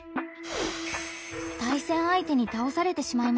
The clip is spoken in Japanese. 対戦相手に倒されてしまいました。